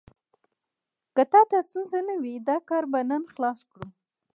که تا ته ستونزه نه وي، دا کار به نن خلاص کړو.